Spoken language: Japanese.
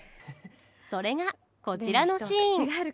それがこちらのシーン。